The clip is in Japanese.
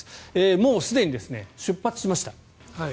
もうすでに出発しました。